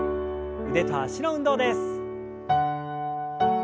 腕と脚の運動です。